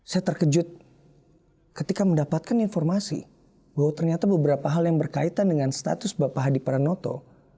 saya terkejut ketika mendapatkan informasi bahwa ternyata beberapa hal yang berkaitan dengan status bapak hadi pranoto